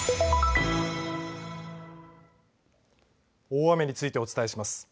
大雨についてお伝えします。